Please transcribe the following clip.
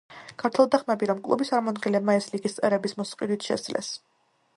გავრცელდა ხმები, რომ კლუბის წარმომადგენლებმა ეს ლიგის წევრების მოსყიდვით შეძლეს.